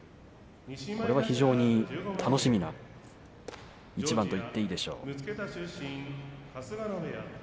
これは非常に楽しみな一番と言っていいでしょう。